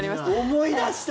思い出した！